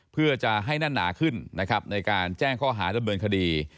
เพื่อจะให้หน้าน่าขึ้นในการแจ้งข้อหาดำเนินคดี